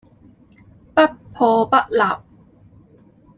不破不立